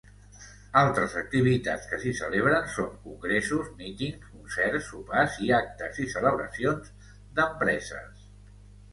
Altres activitats que s'hi celebren són congressos, mítings, concerts, sopars i actes i celebracions d'empreses.